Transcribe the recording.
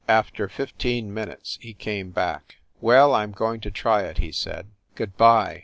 After fifteen minutes he came back. "Well, I m going to try it," he said. "Good by!